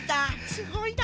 すごいな。